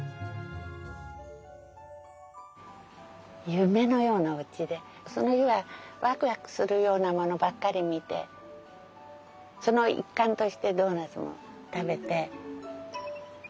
夢のようなおうちでその日はワクワクするようなものばっかり見てその一環としてドーナツも食べて。